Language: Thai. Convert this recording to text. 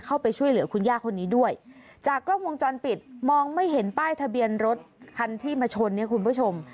เข้าไปช่วยเหลือคุณย่าคนนี้ด้วยจากกล้องวงจรปิดมองไม่เห็นป้ายทะเบียนรถคันที่มาชนเนี่ยคุณผู้ชม